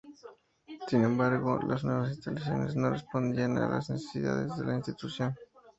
Sin embargo las nuevas instalaciones no respondían a las necesidades de la institución.